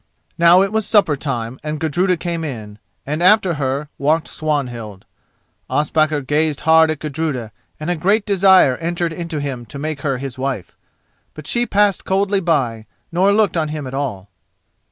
Now it was supper time, and Gudruda came in, and after her walked Swanhild. Ospakar gazed hard at Gudruda and a great desire entered into him to make her his wife. But she passed coldly by, nor looked on him at all.